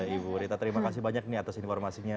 ibu rita terima kasih banyak atas informasinya